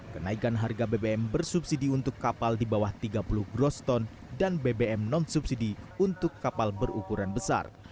kenaikan harga bbm bersubsidi untuk kapal di bawah tiga puluh groston dan bbm non subsidi untuk kapal berukuran besar